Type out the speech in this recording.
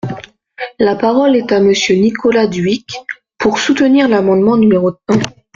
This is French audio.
La parole est à Monsieur Nicolas Dhuicq, pour soutenir l’amendement numéro un.